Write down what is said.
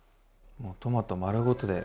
もうトマト丸ごとで。